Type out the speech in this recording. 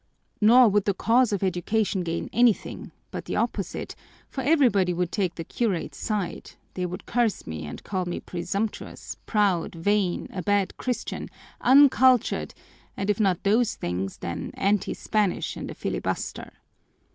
Nor would the cause of education gain anything, but the opposite, for everybody would take the curate's side, they would curse me and call me presumptuous, proud, vain, a bad Christian, uncultured, and if not those things, then anti Spanish and a filibuster.